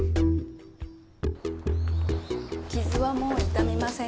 傷はもう痛みませんか？